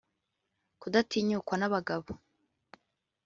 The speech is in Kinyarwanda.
Kudatinyukwa n’abagabo